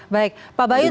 baik pak bayu tadi